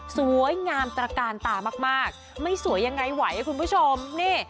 สวยงามตระกาลตามากไม่สวยยังไงไหวคุณผู้ชมนี่